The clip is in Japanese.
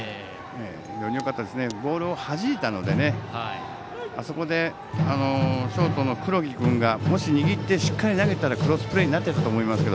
ボールをはじいたのでそこでショートの黒木君がもし、握ってしっかり投げたらクロスプレーになっていたと思いますが。